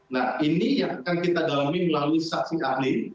nah ini yang akan kita dalami melalui saksi ahli